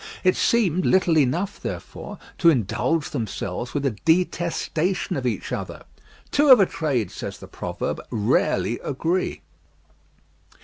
It seemed little enough, therefore, to indulge themselves with a detestation of each other. Two of a trade, says the proverb, rarely agree.